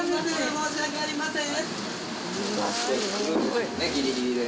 申し訳ありません。